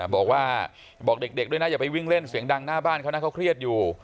บอกว่าบอกเด็กด้วยนะอย่าไปวิ่งเล่นเสียงดังหน้าบ้านเขานะเขาเครียดอยู่